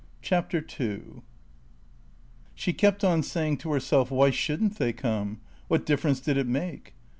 CHAPTER TWO She kept on saying to herself, Why shouldn't they come? What difference did it make?